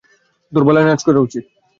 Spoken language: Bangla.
তোর ব্যালে নাচ করা উচিত।